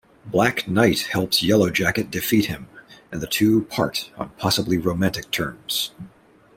Black Knight helps Yellowjacket defeat him and the two part on possibly romantic terms.